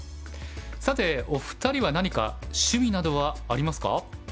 さてお二人は何か趣味などはありますか？